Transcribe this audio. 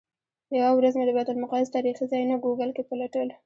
یوه ورځ مې د بیت المقدس تاریخي ځایونه ګوګل کې پلټل.